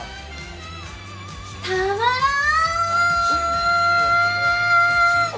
たまらん！